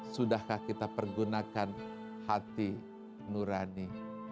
sudahkah kita pergunakan hati nurani